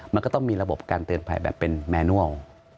มันก็ต้องมีระบบการเตือนภัยแบบเป็นแมนัล